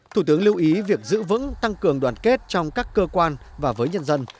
thủ tướng lưu ý việc giữ vững tăng cường đoàn kết trong các cơ quan và với nhân dân